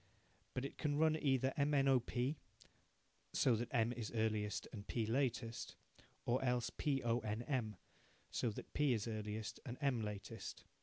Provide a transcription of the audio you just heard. But it can run either M, N, O, P (so that M is earliest and P latest) or else P, O, N, M (so that P is earliest and M latest).